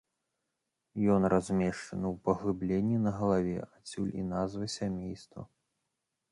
Ён размешчаны ў паглыбленні на галаве, адсюль і назва сямейства.